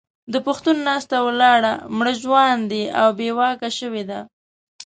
د پښتون ناسته او ولاړه مړژواندې او بې واکه شوې ده.